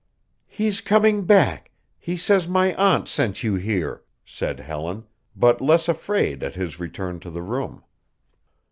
"He's coming back he says my aunt sent you here," said Helen, but less afraid at his return to the room.